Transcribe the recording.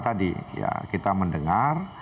tadi ya kita mendengar